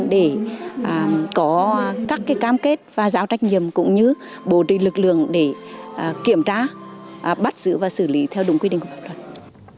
để có các cam kết và giáo trách nhiệm cũng như bổ trị lực lượng để kiểm tra bắt giữ và xử lý theo đúng quy định của công an tỉnh nghệ an